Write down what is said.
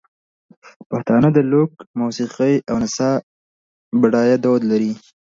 پښتانه د لوک موسیقۍ او نڅا بډایه دود لري.